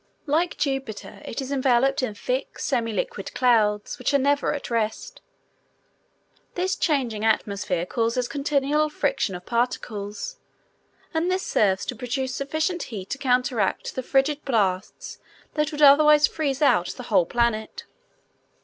Like Jupiter, it is enveloped in thick semi liquid clouds which are never at rest. This changing atmosphere causes continual friction of particles, and this serves to produce sufficient heat to counteract the frigid blasts that would otherwise freeze out the whole planet.